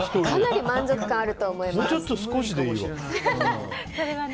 かなり満足感あると思います。